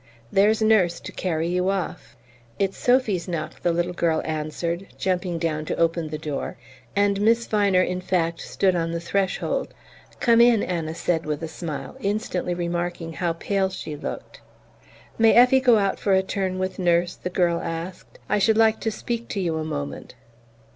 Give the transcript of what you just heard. "There's Nurse to carry you off." "It's Sophy's knock," the little girl answered, jumping down to open the door; and Miss Viner in fact stood on the threshold. "Come in," Anna said with a smile, instantly remarking how pale she looked. "May Effie go out for a turn with Nurse?" the girl asked. "I should like to speak to you a moment."